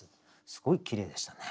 すごいきれいでしたね。